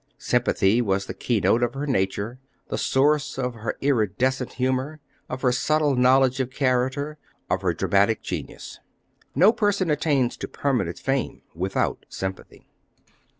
Sympathy was the keynote of her nature, the source of her iridescent humor, of her subtle knowledge of character, of her dramatic genius." No person attains to permanent fame without sympathy.